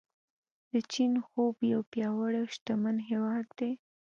د چین خوب یو پیاوړی او شتمن هیواد دی.